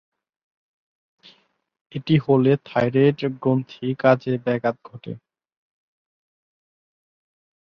এটি হলে থাইরয়েড গ্রন্থির কাজে ব্যাঘাত ঘটে।